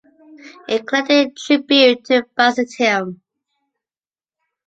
He collected tribute to Byzantium.